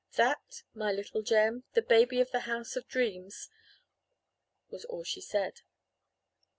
'That my little Jem the baby of the old House of Dreams?' was all she said.